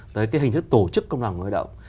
tới cái hình thức tổ chức công đoàn lao động